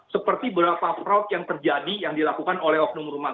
seperti berapa fraud yang terjadi yang dilakukan oleh oknum rumah